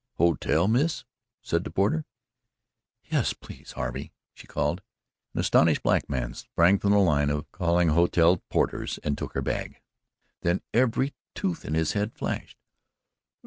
"Hotel, Miss?" said the porter. "Yes, please, Harvey!" she called. An astonished darky sprang from the line of calling hotel porters and took her bag. Then every tooth in his head flashed.